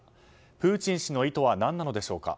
プーチン氏の意図は何なのでしょうか。